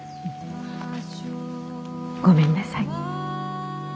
ごめんなさい。